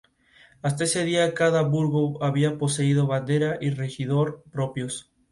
Es una preparación culinaria muy habitual en las zonas montañosas del interior de Galicia.